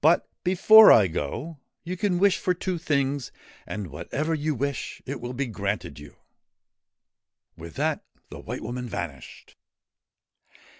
But, before I go, you can wish for two things ; and whatever you wish, it shall be granted you 1 ' With that the White Woman vanished.